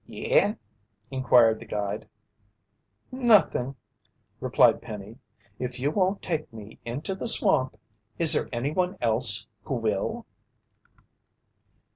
"Yeah?" inquired the guide. "Nothing," replied Penny. "If you won't take me into the swamp, is there anyone else who will?"